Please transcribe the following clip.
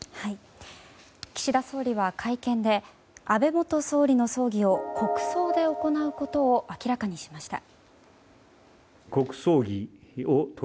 岸田総理は会見で安倍元総理の葬儀を国葬で行うことを明らかにしました。